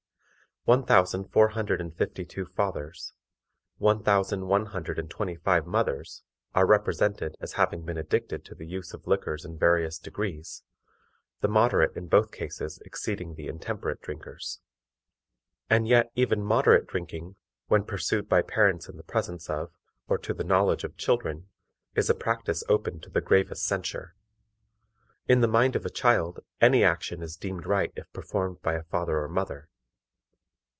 One thousand four hundred and fifty two fathers; one thousand one hundred and twenty five mothers, are represented as having been addicted to the use of liquors in various degrees, the moderate in both cases exceeding the intemperate drinkers. And yet even moderate drinking, when pursued by parents in the presence of, or to the knowledge of children, is a practice open to the gravest censure. In the mind of a child any action is deemed right if performed by a father or mother.